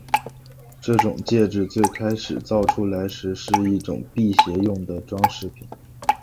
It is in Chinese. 这种戒指最开始造出来时是一种辟邪用的装饰物。